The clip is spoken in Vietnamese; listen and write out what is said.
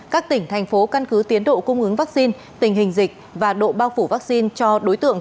các tỉnh thành phố căn cứ tiến độ cung ứng vaccine tình hình dịch và độ bao phủ vaccine cho đối tượng